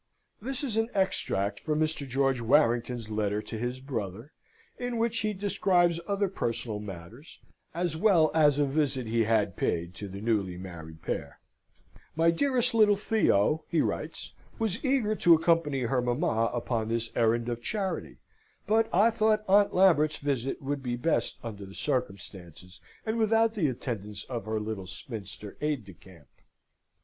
This is an extract from Mr. George Warrington's letter to his brother, in which he describes other personal matters, as well as a visit he had paid to the newly married pair: "My dearest little Theo," he writes, "was eager to accompany her mamma upon this errand of charity; but I thought Aunt Lambert's visit would be best under the circumstances, and without the attendance of her little spinster aide de camp.